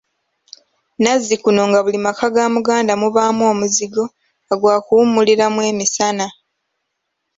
Nazzikuno nga buli maka ga Muganda mubaamu omuzigo nga gwakuwummuliramu emisana.